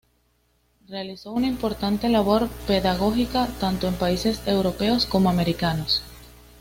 Realizó una importante labor pedagógica tanto en países europeos como americanos.